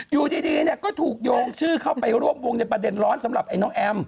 อยู่ดีเนี่ยก็ถูกโยงชื่อเข้าไปร่วมวงในประเด็นร้อนสำหรับไอ้น้องแอม